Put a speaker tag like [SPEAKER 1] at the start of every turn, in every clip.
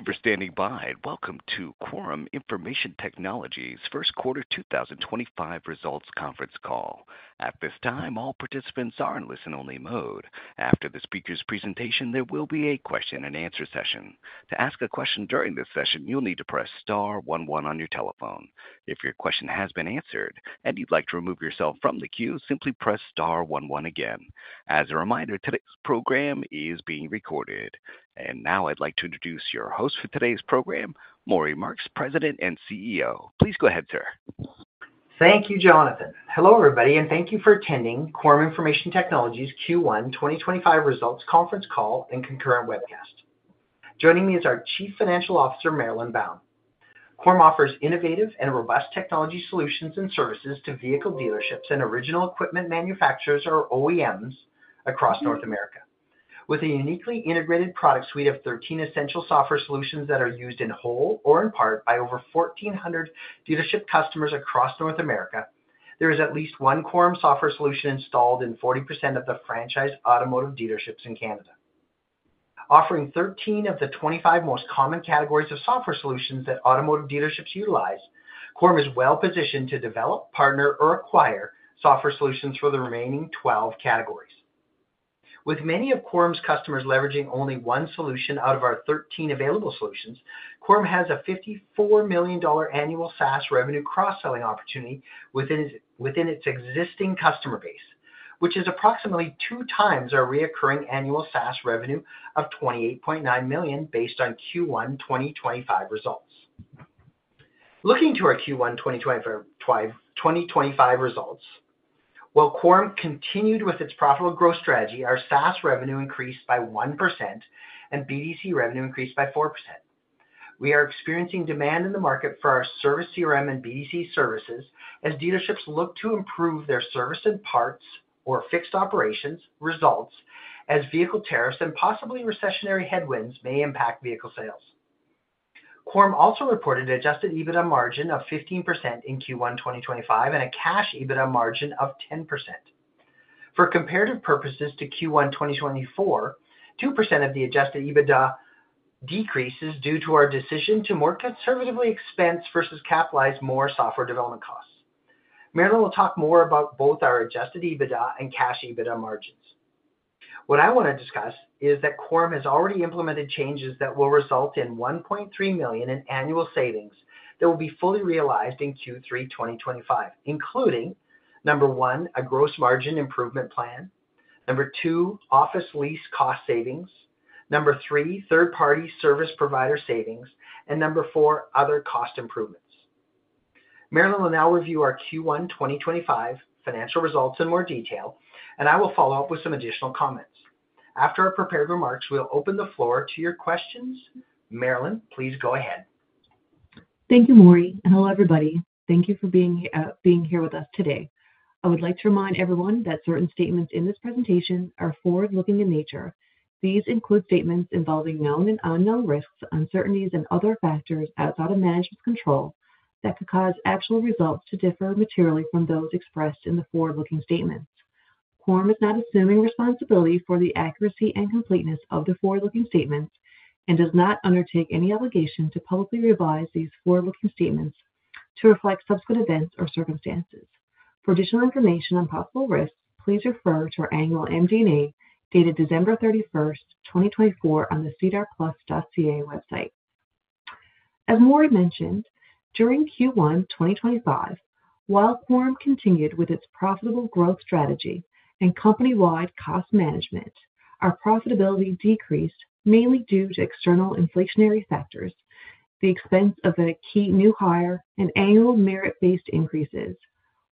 [SPEAKER 1] Thank you for standing by. Welcome to Quorum Information Technologies' First Quarter 2025 Results Conference Call. At this time, all participants are in listen-only mode. After the speaker's presentation, there will be a question-and-answer session. To ask a question during this session, you'll need to press star one one on your telephone. If your question has been answered and you'd like to remove yourself from the queue, simply press star one one again. As a reminder, today's program is being recorded. Now I'd like to introduce your host for today's program, Maury Marks, President and CEO. Please go ahead, sir.
[SPEAKER 2] Thank you, Jonathan. Hello, everybody, and thank you for attending Quorum Information Technologies' Q1 2025 results conference call and concurrent webcast. Joining me is our Chief Financial Officer, Marilyn Bown. Quorum offers innovative and robust technology solutions and services to vehicle dealerships and original equipment manufacturers, or OEMs, across North America. With a uniquely integrated product suite of 13 essential software solutions that are used in whole or in part by over 1,400 dealership customers across North America, there is at least one Quorum software solution installed in 40% of the franchise automotive dealerships in Canada. Offering 13 of the 25 most common categories of software solutions that automotive dealerships utilize, Quorum is well-positioned to develop, partner, or acquire software solutions for the remaining 12 categories. With many of Quorum's customers leveraging only one solution out of our 13 available solutions, Quorum has a $54 million annual SaaS revenue cross-selling opportunity within its existing customer base, which is approximately two times our recurring annual SaaS revenue of $28.9 million based on Q1 2025 results. Looking to our Q1 2025 results, while Quorum continued with its profitable growth strategy, our SaaS revenue increased by 1% and BDC revenue increased by 4%. We are experiencing demand in the market for our Service CRM and BDC services as dealerships look to improve their service and parts or fixed operations results as vehicle tariffs and possibly recessionary headwinds may impact vehicle sales. Quorum also reported an adjusted EBITDA margin of 15% in Q1 2025 and a cash EBITDA margin of 10%. For comparative purposes to Q1 2024, 2% of the adjusted EBITDA decreases due to our decision to more conservatively expense versus capitalize more software development costs. Marilyn will talk more about both our adjusted EBITDA and cash EBITDA margins. What I want to discuss is that Quorum has already implemented changes that will result in $1.3 million in annual savings that will be fully realized in Q3 2025, including: number one, a gross margin improvement plan; number two, office lease cost savings; number three, third-party service provider savings; and number four, other cost improvements. Marilyn will now review our Q1 2025 financial results in more detail, and I will follow up with some additional comments. After our prepared remarks, we'll open the floor to your questions. Marilyn, please go ahead.
[SPEAKER 3] Thank you, Maury. Hello, everybody. Thank you for being here with us today. I would like to remind everyone that certain statements in this presentation are forward-looking in nature. These include statements involving known and unknown risks, uncertainties, and other factors outside of management's control that could cause actual results to differ materially from those expressed in the forward-looking statements. Quorum is not assuming responsibility for the accuracy and completeness of the forward-looking statements and does not undertake any obligation to publicly revise these forward-looking statements to reflect subsequent events or circumstances. For additional information on possible risks, please refer to our annual MD&A dated December 31, 2024, on the sedarplus.ca website. As Maury mentioned, during Q1 2025, while Quorum continued with its profitable growth strategy and company-wide cost management, our profitability decreased mainly due to external inflationary factors, the expense of a key new hire, and annual merit-based increases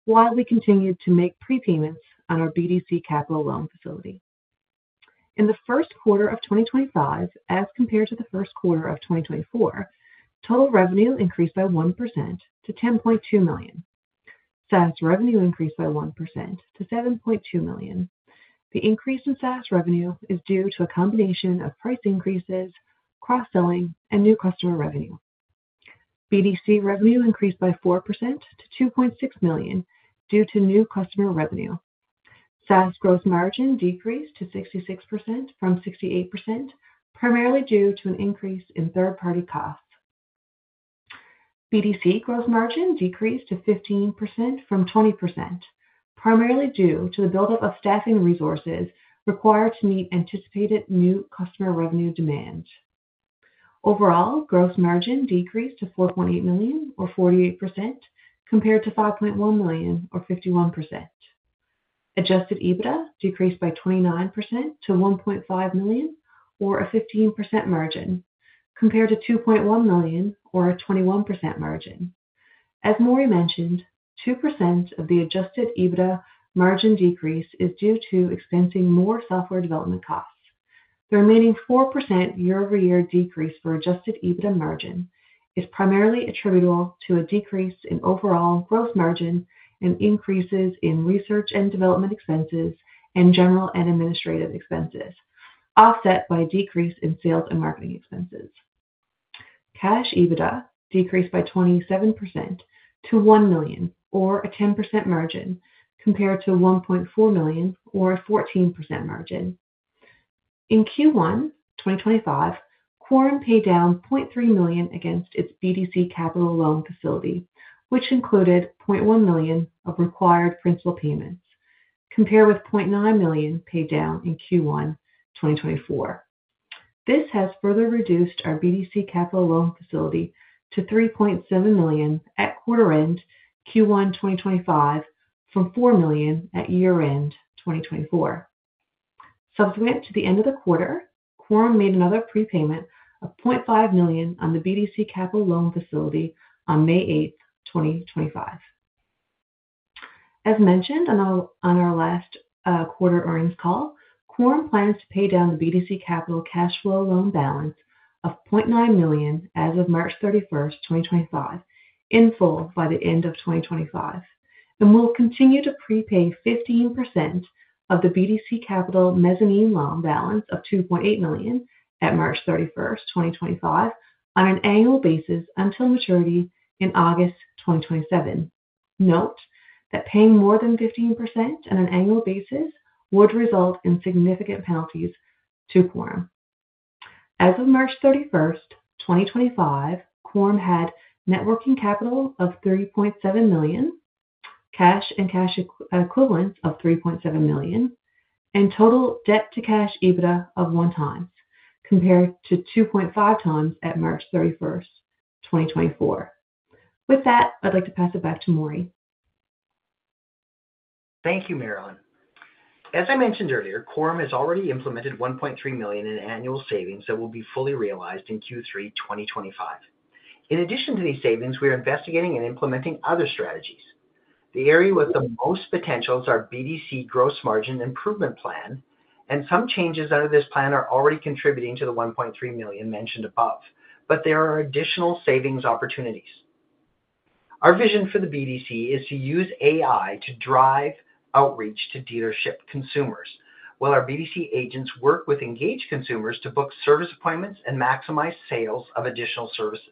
[SPEAKER 3] while we continued to make prepayments on our BDC Capital loan facility. In the first quarter of 2025, as compared to the first quarter of 2024, total revenue increased by 1% to $10.2 million. SaaS revenue increased by 1% to $7.2 million. The increase in SaaS revenue is due to a combination of price increases, cross-selling, and new customer revenue. BDC revenue increased by 4% to $2.6 million due to new customer revenue. SaaS gross margin decreased to 66% from 68%, primarily due to an increase in third-party costs. BDC gross margin decreased to 15% from 20%, primarily due to the buildup of staffing resources required to meet anticipated new customer revenue demand. Overall, gross margin decreased to $4.8 million, or 48%, compared to $5.1 million, or 51%. Adjusted EBITDA decreased by 29% to $1.5 million, or a 15% margin, compared to $2.1 million, or a 21% margin. As Maury mentioned, 2% of the adjusted EBITDA margin decrease is due to expensing more software development costs. The remaining 4% year-over-year decrease for adjusted EBITDA margin is primarily attributable to a decrease in overall gross margin and increases in research and development expenses and general and administrative expenses, offset by a decrease in sales and marketing expenses. Cash EBITDA decreased by 27% to $1 million, or a 10% margin, compared to $1.4 million, or a 14% margin. In Q1 2025, Quorum paid down $0.3 million against its BDC Capital loan facility, which included $0.1 million of required principal payments, compared with $0.9 million paid down in Q1 2024. This has further reduced our BDC Capital loan facility to $3.7 million at quarter-end Q1 2025 from $4 million at year-end 2024. Subsequent to the end of the quarter, Quorum made another prepayment of $0.5 million on the BDC capital loan facility on May 8th, 2025. As mentioned on our last quarter earnings call, Quorum plans to pay down the BDC Capital cash flow loan balance of $0.9 million as of March 31st, 2025, in full by the end of 2025, and will continue to prepay 15% of the BDC Capital mezzanine loan balance of $2.8 million at March 31st, 2025, on an annual basis until maturity in August 2027. Note that paying more than 15% on an annual basis would result in significant penalties to Quorum. As of March 31, 2025, Quorum had networking capital of $3.7 million, cash and cash equivalents of $3.7 million, and total debt-to-cash EBITDA of one times, compared to 2.5 times at March 31, 2024. With that, I'd like to pass it back to Maury.
[SPEAKER 2] Thank you, Marilyn. As I mentioned earlier, Quorum has already implemented $1.3 million in annual savings that will be fully realized in Q3 2025. In addition to these savings, we are investigating and implementing other strategies. The area with the most potential is our BDC gross margin improvement plan, and some changes under this plan are already contributing to the $1.3 million mentioned above, but there are additional savings opportunities. Our vision for the BDC is to use AI to drive outreach to dealership consumers while our BDC agents work with engaged consumers to book service appointments and maximize sales of additional services.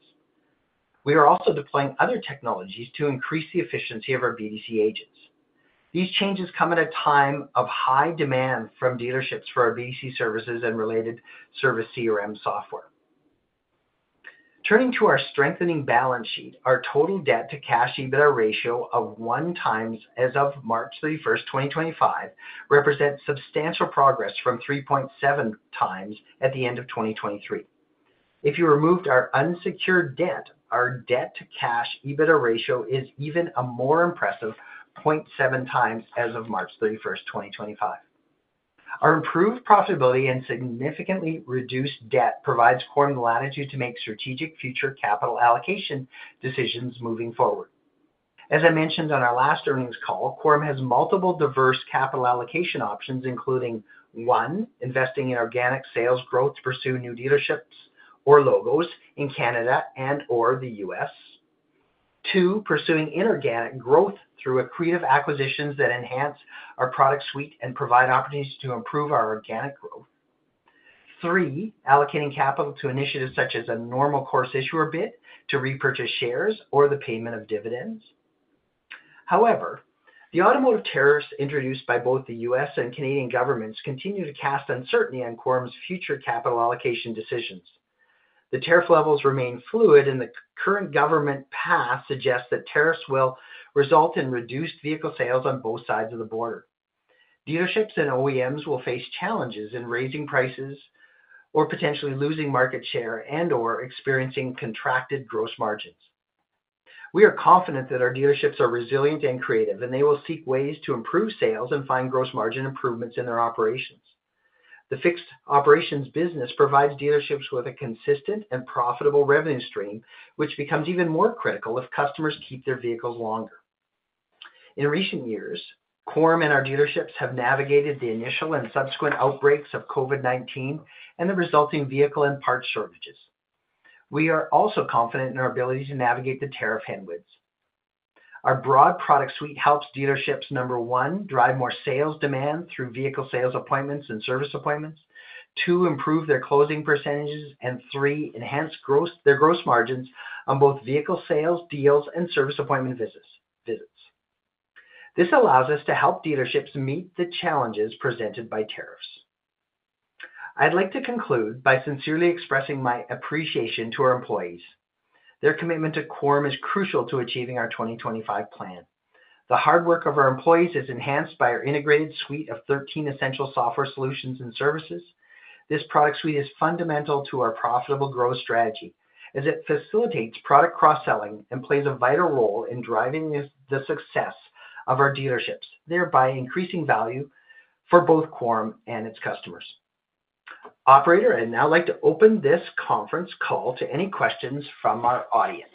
[SPEAKER 2] We are also deploying other technologies to increase the efficiency of our BDC agents. These changes come at a time of high demand from dealerships for our BDC services and related service CRM software. Turning to our strengthening balance sheet, our total debt-to-cash EBITDA ratio of one times as of March 31, 2025, represents substantial progress from 3.7 times at the end of 2023. If you removed our unsecured debt, our debt-to-cash EBITDA ratio is even a more impressive 0.7 times as of March 31, 2025. Our improved profitability and significantly reduced debt provide Quorum the latitude to make strategic future capital allocation decisions moving forward. As I mentioned on our last earnings call, Quorum has multiple diverse capital allocation options, including: one, investing in organic sales growth to pursue new dealerships or logos in Canada and/or the U.S.; two, pursuing inorganic growth through accretive acquisitions that enhance our product suite and provide opportunities to improve our organic growth; three, allocating capital to initiatives such as a normal course issuer bid to repurchase shares or the payment of dividends. However, the automotive tariffs introduced by both the U.S. and Canadian governments continue to cast uncertainty on Quorum's future capital allocation decisions. The tariff levels remain fluid, and the current government path suggests that tariffs will result in reduced vehicle sales on both sides of the border. Dealerships and OEMs will face challenges in raising prices or potentially losing market share and/or experiencing contracted gross margins. We are confident that our dealerships are resilient and creative, and they will seek ways to improve sales and find gross margin improvements in their operations. The fixed operations business provides dealerships with a consistent and profitable revenue stream, which becomes even more critical if customers keep their vehicles longer. In recent years, Quorum and our dealerships have navigated the initial and subsequent outbreaks of COVID-19 and the resulting vehicle and parts shortages. We are also confident in our ability to navigate the tariff headwinds. Our broad product suite helps dealerships, number one, drive more sales demand through vehicle sales appointments and service appointments, two, improve their closing percentages, and three, enhance their gross margins on both vehicle sales, deals, and service appointment visits. This allows us to help dealerships meet the challenges presented by tariffs. I'd like to conclude by sincerely expressing my appreciation to our employees. Their commitment to Quorum is crucial to achieving our 2025 plan. The hard work of our employees is enhanced by our integrated suite of 13 essential software solutions and services. This product suite is fundamental to our profitable growth strategy as it facilitates product cross-selling and plays a vital role in driving the success of our dealerships, thereby increasing value for both Quorum and its customers. Operator, I'd now like to open this conference call to any questions from our audience.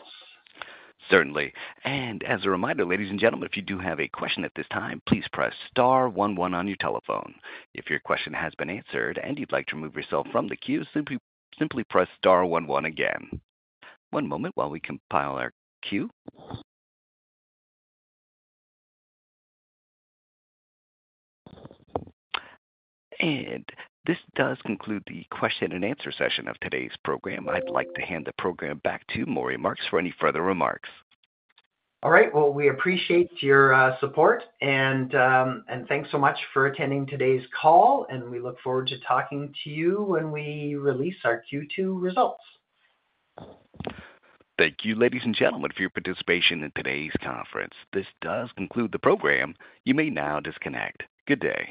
[SPEAKER 1] Certainly. As a reminder, ladies and gentlemen, if you do have a question at this time, please press star one one on your telephone. If your question has been answered and you'd like to remove yourself from the queue, simply press star one one again. One moment while we compile our queue. This does conclude the question and answer session of today's program. I'd like to hand the program back to Maury Marks for any further remarks.
[SPEAKER 2] All right. We appreciate your support, and thanks so much for attending today's call. We look forward to talking to you when we release our Q2 results.
[SPEAKER 1] Thank you, ladies and gentlemen, for your participation in today's conference. This does conclude the program. You may now disconnect. Good day.